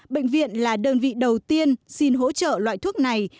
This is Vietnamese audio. bệnh viện là đơn vị đầu tiên xin hỗ trợ loại thuốc này